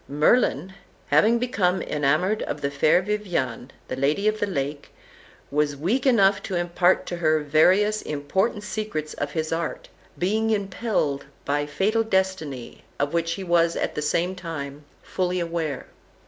Merlin, having become enamoured of the fair Viviane, the Lady of the Lake, was weak enough to impart to her various important secrets of his art, being impelled by fatal destiny, of which he was at the same time fully aware.